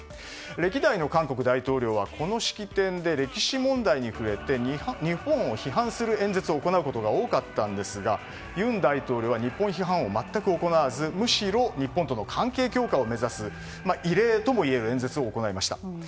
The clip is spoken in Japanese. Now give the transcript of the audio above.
歴代の韓国大統領はこの式典で歴史問題に触れて日本を批判する演説を行うことが多かったんですが尹大統領は日本批判を全く行わずむしろ日本との関係強化を目指す異例ともいえる演説を行いました。